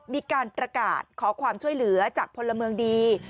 มีการประกาศขอความช่วยเหลือจากพลเมืองดี